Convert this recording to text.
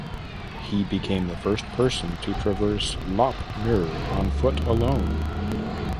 He became the first person to traverse Lop Nur on foot alone.